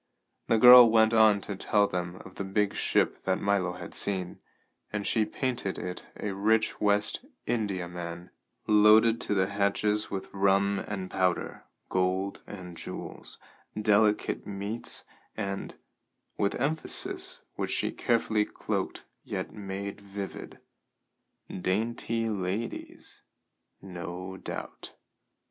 The girl went on to tell them of the big ship that Milo had seen, and she painted it a rich West Indiaman, loaded to the hatches with rum and powder, gold and jewels, delicate meats and with emphasis which she carefully cloaked yet made vivid dainty ladies, no doubt.